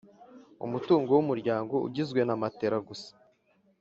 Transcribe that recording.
Umutungo w umuryango ugizwe na matera gusa